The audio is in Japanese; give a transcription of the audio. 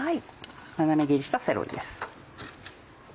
斜め切りしたセロリです。